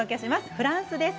フランスです。